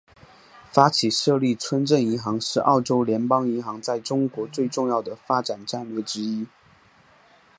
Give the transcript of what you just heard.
发起设立村镇银行是澳洲联邦银行在中国最重要的发展战略之一。